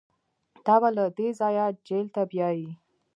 تا به له دې ځايه جېل ته بيايي.